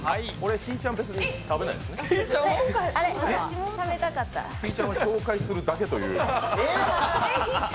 ひぃちゃんは紹介するだけという。